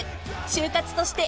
終活として。